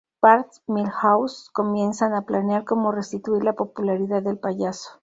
Bart y Milhouse comienzan a planear cómo restituir la popularidad del payaso.